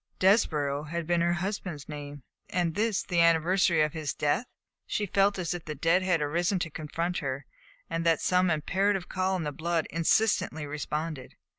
Desborough had been her husband's name, and this the anniversary of his death; she felt as if the dead had arisen to confront her, and that some imperative call in the blood insistently responded.